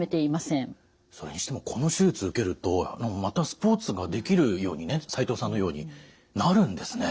それにしてもこの手術受けるとまたスポーツができるようにね齋藤さんのようになるんですね！